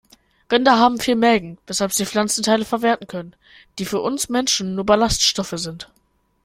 Rinder haben vier Mägen, weshalb sie Pflanzenteile verwerten können, die für uns Menschen nur Ballaststoffe sind.